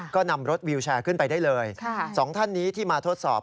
ก็นำรถวิวแชร์ขึ้นไปได้เลยสองท่านนี้ที่มาทดสอบ